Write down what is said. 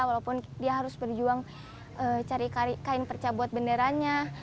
walaupun dia harus berjuang cari kain perca buat benderanya